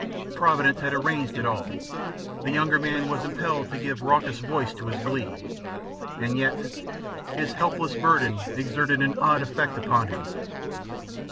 Providence had arranged it all. The younger man was impelled to give raucous voice to his glee, and yet his helpless burden exerted an odd effect upon him.